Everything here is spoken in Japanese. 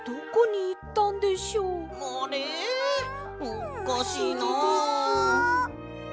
おっかしいな。